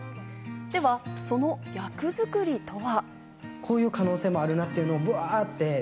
ではその役作りとは。